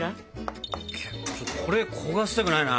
これ焦がしたくないな。